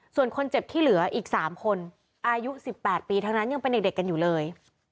ส่วนคนเจ็บที่เหลืออีก๓คนอายุ๑๘ปีทั้งนั้นยังเป็นเด็กกันอยู่เลย